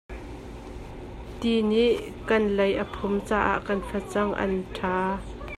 Ti nih kan lei a phum caah kan facang an ṭha.